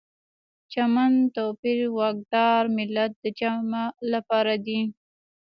چمن، توپیر، واکدار، ملت د جمع لپاره دي.